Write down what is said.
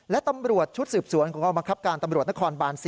และตำรวจชุดสืบสวนของกองบังคับการตำรวจนครบาน๔